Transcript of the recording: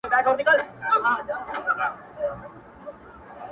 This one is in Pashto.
• په تېره چاړه یې زه پرېکوم غاړه ,